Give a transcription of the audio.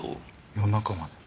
夜中まで。